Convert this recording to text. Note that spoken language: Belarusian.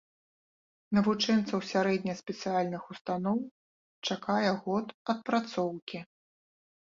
Навучэнцаў сярэдне-спецыяльных устаноў чакае год адпрацоўкі.